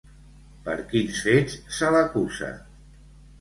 Per quins fets se l'acusa?